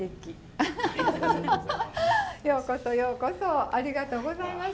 ようこそようこそありがとうございます